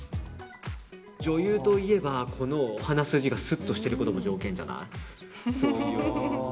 女優といえばこの鼻筋がすっとしてることも条件じゃない。